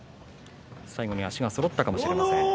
最後に足がそろったかもしれません。